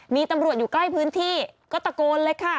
มีตำรวจอยู่ใกล้พื้นที่ก็ตะโกนเลยค่ะ